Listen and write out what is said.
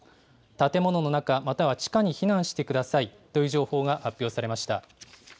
建物の中、または地下に避難してくださいという情報が発表されました。